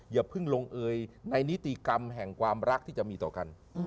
อย่าเพิ่งลงเอยในนิติกรรมแห่งความรักที่จะมีต่อกัน